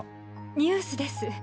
ニュースです。